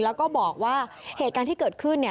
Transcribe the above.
แล้วก็บอกว่าเหตุการณ์ที่เกิดขึ้น